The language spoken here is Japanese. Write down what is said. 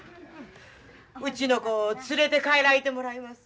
うちの子連れて帰らいてもらいます。